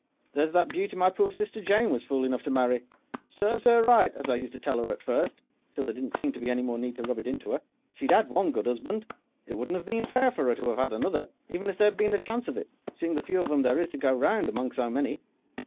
There's that beauty my poor sister Jane was fool enough to marry. Serves 'er right, as I used to tell 'er at first, till there didn't seem any more need to rub it into 'er. She'd 'ad one good 'usband. It wouldn't 'ave been fair for 'er to 'ave 'ad another, even if there'd been a chance of it, seeing the few of 'em there is to go round among so many.